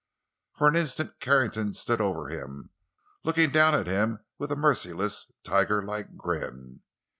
For an instant Carrington stood over him, looking down at him with a merciless, tigerlike grin.